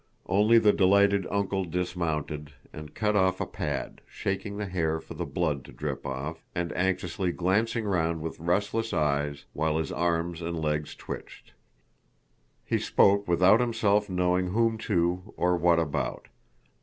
Only the delighted "Uncle" dismounted, and cut off a pad, shaking the hare for the blood to drip off, and anxiously glancing round with restless eyes while his arms and legs twitched. He spoke without himself knowing whom to or what about.